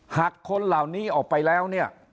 หากคนเหล่านี้ออกไปแล้ว